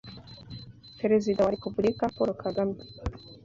Perezida wa Repubulika Paul Kagame